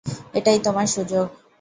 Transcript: এটাই তোমার সুযোগ।